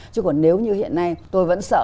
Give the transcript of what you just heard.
chứ còn nếu như hiện nay tôi vẫn sợ